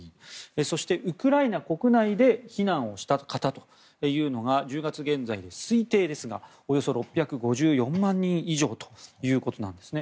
そしてウクライナ国内で避難をした方というのが１０月現在で、推定ですがおよそ６５４万人以上ということなんですね。